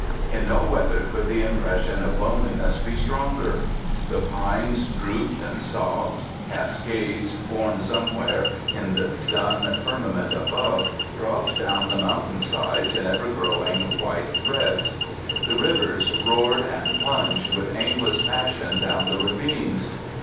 In no weather could the impression of loneliness be stronger. The pines drooped and sobbed. Cascades, born somewhere in the dun firmament above, dropped down the mountain sides in ever growing white threads. The rivers roared and plunged with aimless passion down the ravines.